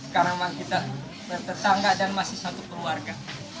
karena kita tetangga dan masih satu keluarga